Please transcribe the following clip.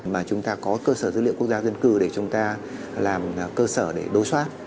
mà chúng ta có cơ sở dữ liệu quốc gia dân cư để chúng ta làm cơ sở để đối soát